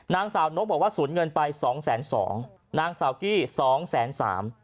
นางสาวนกบอกว่าสูญเงินไปสองแสนสองนางสาวกี้สองแสนสาม